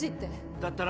だったら？